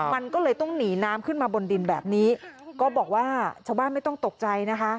มันก็เลยต้องหนีน้ำขึ้นมาบนดินแบบนี้ก็บอกว่าชาวบ้านไม่ต้องตกใจนะคะ